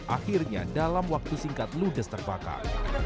akhirnya dalam waktu singkat ludes terbakar